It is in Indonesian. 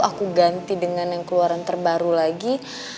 aku ganti dengan yang keluaran terbaru lagi